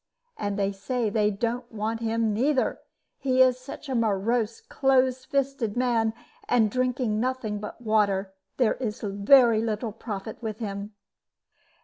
And they say that they don't want him neither, he is such a morose, close fisted man; and drinking nothing but water, there is very little profit with him."